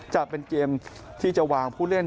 จะเป็นเกมที่จะวางผู้เล่น